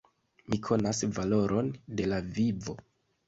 Mi konas valoron de la vivo!